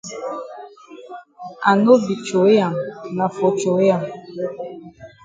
I no be throwey am na for throwey am.